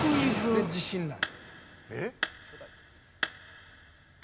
全然自信ない。